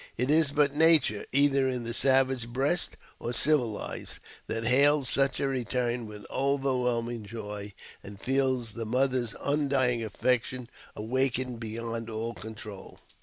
It is but nature, either in the savage breast or civilized, that hails such a return with overwhelming joy, and feels the mother's undying affection awakened beyond all control.